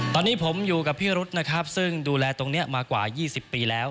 ตอนนี้ผมอยู่กับพี่รุษนะครับซึ่งดูแลตรงนี้มากว่า๒๐ปีแล้ว